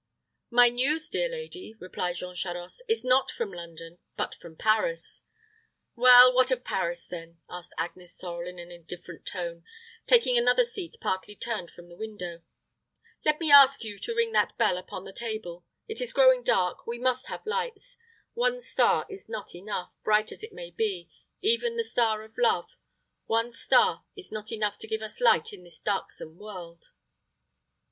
"My news, dear lady," replied Jean Charost, "is not from London, but from Paris." "Well, what of Paris, then?" asked Agnes Sorel, in an indifferent tone, taking another seat partly turned from the window. "Let me ask you to ring that bell upon the table. It is growing dark we must have lights. One star is not enough, bright as it may be even the star of love one star is not enough to give us light in this darksome world."